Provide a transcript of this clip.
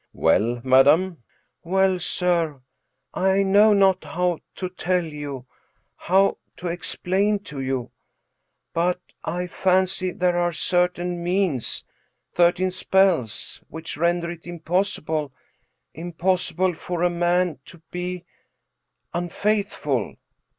"Well, madam?" " Well, sir, I know not how to tell you — ^how to explain to you — ^but I fancy there are certain means— certain spells — ^which render it impossible — impossible for a man to be —unfaithful."